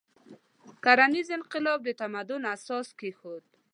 کرنیز انقلاب د تمدن اساس کېښود.